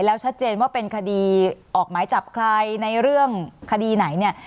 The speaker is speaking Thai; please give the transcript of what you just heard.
แล้วชัดเจนว่าเป็นคดีออกหมายจับใครในเรื่องคดีไหนเนี่ย